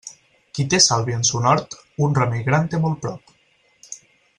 Qui té sàlvia en son hort, un remei gran té molt prop.